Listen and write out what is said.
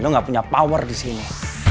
lo gak punya power disini